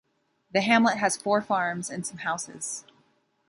The hamlet has four farms and some houses.